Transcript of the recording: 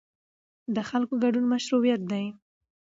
د خلکو ګډون مشروعیت دی